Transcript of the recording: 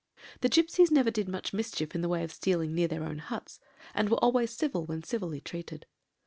The gipsies never did much mischief in the way of stealing near their own huts, and were always civil when civilly treated.